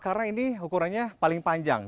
karena ini ukurannya paling panjang